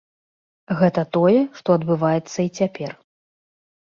Гэта тое, што адбываецца і цяпер.